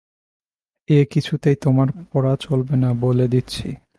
এ কিছুতেই তোমার পরা চলবে না, বলে দিচ্ছি।